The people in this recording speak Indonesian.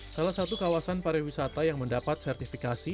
salah satu kawasan pariwisata yang mendapat sertifikasi